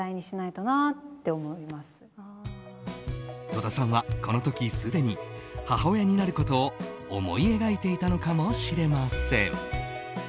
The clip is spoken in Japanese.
戸田さんはこの時すでに母親になることを思い描いたのかもしれません。